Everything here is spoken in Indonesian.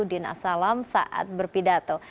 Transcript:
din asalam saat berpidato